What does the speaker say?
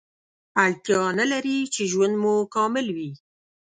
اړتیا نلري چې ژوند مو کامل وي